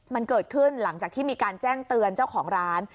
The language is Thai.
มันเกิดขึ้นหลังจากที่มีการแจ้งเตือนเจ้าของร้าน